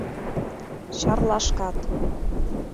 Чарлашкат